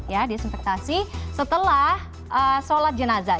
ya disinfektasi setelah sholat jenazah